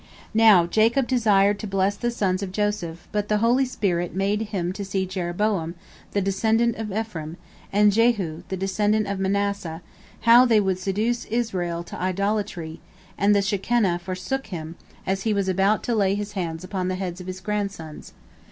Now Jacob desired to bless the sons of Joseph, but the holy spirit made him to see Jeroboam, the descendant of Ephraim, and Jehu, the descendant of Manasseh, how they would seduce Israel to idolatry, and the Shekinah forsook him as he was about to lay his hands upon the heads of his grandsons.